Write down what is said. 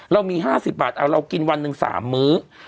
เรามี๕๐บาทเอาเรากินวันหนึ่ง๓มื้อ